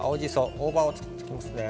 大葉を使っていきます。